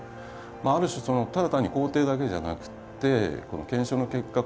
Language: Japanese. ある種ただ単に肯定だけじゃなくて検証の結果